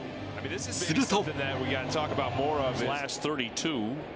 すると。